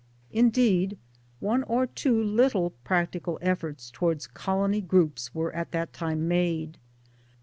Indeed one or two little practical efforts towards colony groups were at that time made.